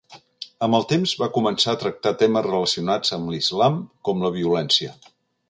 Amb el temps va començar a tractar temes relacionats amb l'Islam com la violència.